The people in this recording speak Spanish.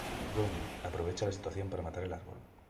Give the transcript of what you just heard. Gunn aprovecha la situación para matar el árbol.